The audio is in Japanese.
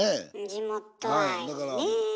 地元愛ね。